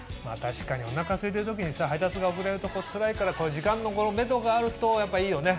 確かにお腹すいてる時にさ配達が遅れるとつらいから時間のめどがあるといいよね。